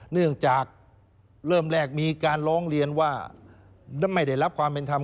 เนื่องจากเริ่มแรกมีการร้องเรียนว่าไม่ได้รับความเป็นธรรม